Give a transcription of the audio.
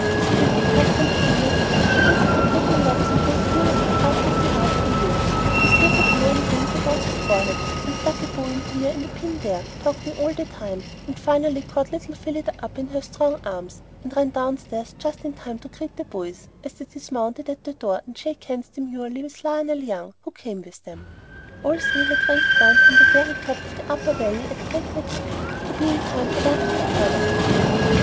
With quick accustomed fingers she whisked her pretty locks into a series of artlessly artful loops, with little blowing rings about the forehead, and stuck a bow in here and a pin there, talking all the time, and finally caught little Phillida up in her strong young arms, and ran downstairs just in time to greet the boys as they dismounted at the door, and shake hands demurely with Lionel Young, who came with them. All three had raced down from the very top of the Upper Valley at breakneck speed, to be in time to welcome the travellers.